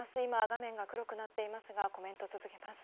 画面が黒くなっていますがコメントを続けます。